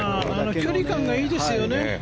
距離感がいいですよね。